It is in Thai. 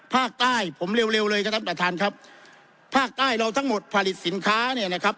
ภาคใต้ผมเร็วเร็วเลยครับท่านประธานครับภาคใต้เราทั้งหมดผลิตสินค้าเนี่ยนะครับ